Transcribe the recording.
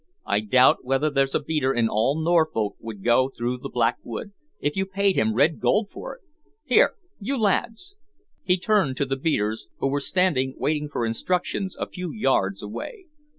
I doubt whether there's a beater in all Norfolk would go through the Black Wood, if you paid him red gold for it. Here, you lads." He turned to the beaters, who were standing waiting for instructions a few yards away.